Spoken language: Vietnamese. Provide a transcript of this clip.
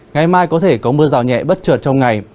ngày mai có thể có mưa rào nhẹ bất trượt trong ngày